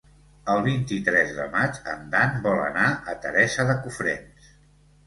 El vint-i-tres de maig en Dan vol anar a Teresa de Cofrents.